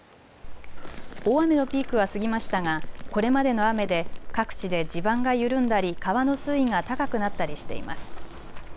大雨のピークは過ぎましたがこれまでの雨で各地で地盤が緩んだり川の水位が高くなったりしています。